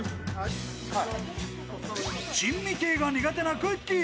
珍味系が苦手なくっきー！